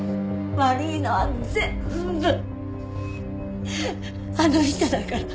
悪いのは全部あの人だから。